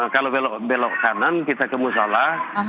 kalau belok kanan kita ke musola